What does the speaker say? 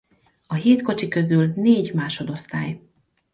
A hét kocsi közül négy másodosztály.